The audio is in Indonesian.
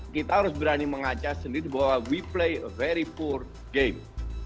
kita harus berani mengajar sendiri bahwa kita memainkan permainan yang sangat kecil